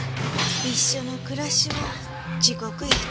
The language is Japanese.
一緒の暮らしは地獄やったわ。